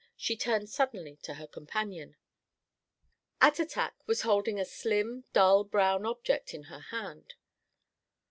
She turned suddenly to her companion. Attatak was holding a slim, dull brown object in her hand.